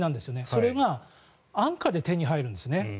それが安価で手に入るんですね。